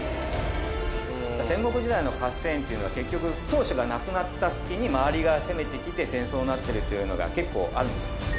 戦国時代の合戦っていうのは結局当主が亡くなった隙に周りが攻めてきて戦争になってるっていうのが結構ある。